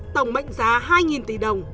tổng mệnh giá hai tỷ đồng